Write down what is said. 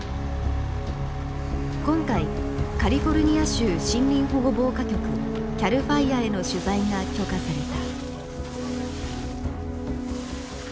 今回カリフォルニア州森林保護防火局ＣＡＬＦＩＲＥへの取材が許可された。